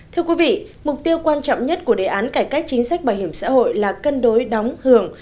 thưa quý vị mục tiêu quan trọng nhất của đề án cải cách chính sách bảo hiểm xã hội là cân đối đóng hưởng